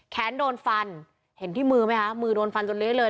โดนฟันเห็นที่มือไหมคะมือโดนฟันจนเลื้อยเลย